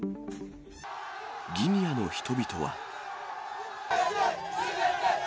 ギニアの人々は。